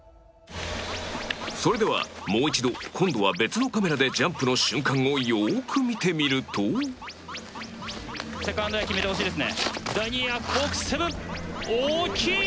それでは、もう一度今度は別のカメラでジャンプの瞬間をよく見てみると実況：セカンドエア決めてほしいですね。